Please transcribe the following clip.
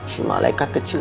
cuma malaikat kecil